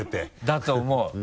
だと思う。